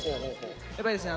やっぱりですね